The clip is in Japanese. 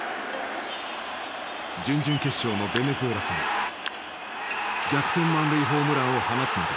準々決勝のベネズエラ戦逆転満塁ホームランを放つなど